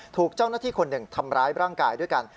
ถูกเจ้าหน้าที่คนหนึ่งทำร้ายร่างกายด้วยกัน